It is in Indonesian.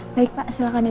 baik pak silahkan ya